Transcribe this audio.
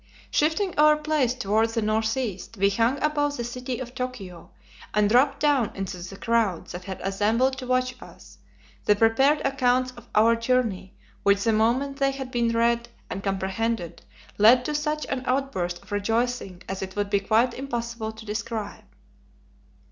Shifting our place toward the northeast, we hung above the city of Tokio and dropped down into the crowds that had assembled to watch us, the prepared accounts of our journey, which, the moment they had been read and comprehended, led to such an outburst of rejoicing as it would be quite impossible to describe.